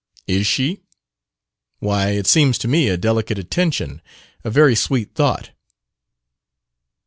"Is she? Why, it seems to me a delicate attention, a very sweet thought."